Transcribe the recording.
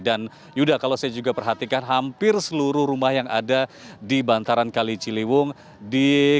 dan yuda kalau saya juga perhatikan hampir seluruh rumah yang ada di bantaran kalijiliwung di jawa tenggara di jawa tenggara